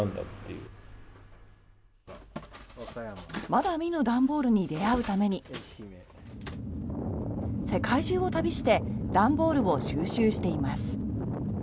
まだ見ぬ段ボールに出会うために世界中を旅して段ボールを収集しています。